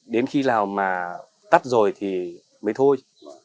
đến khi nào mà tắt rồi thì mới thôi